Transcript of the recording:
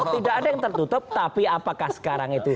tidak ada yang tertutup tapi apakah sekarang itu